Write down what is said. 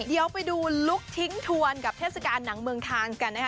เดี๋ยวไปดูลุคทิ้งทวนกับเทศกาลหนังเมืองทานกันนะคะ